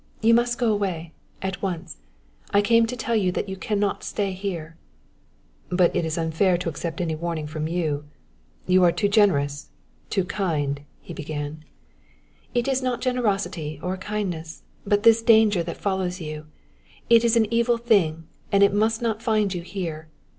"You must go away at once I came to tell you that you can not stay here." "But it is unfair to accept any warning from you! You are too generous, too kind," he began. "It is not generosity or kindness, but this danger that follows you it is an evil thing and it must not find you here.